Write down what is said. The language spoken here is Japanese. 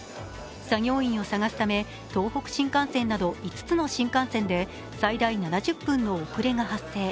作業員を探すため、東北新幹線など５つの新幹線で、最大７０分の遅れが発生。